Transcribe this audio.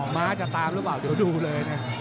ม้าจะตามหรือเปล่าเดี๋ยวดูเลยนะ